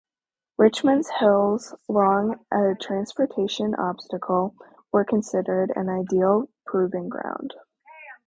Richmond's hills, long a transportation obstacle, were considered an ideal proving ground.